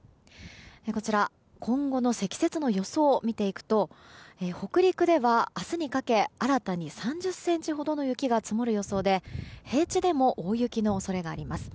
こちら今後の積雪の予想を見ていくと北陸では明日にかけ新たに３０ｃｍほどの雪が積もる予想で平地でも大雪の恐れがあります。